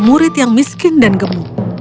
murid yang miskin dan gemuk